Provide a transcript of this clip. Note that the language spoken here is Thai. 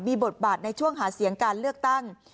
มีบทบาทในช่วงหาเสียงการเลือกตั้ง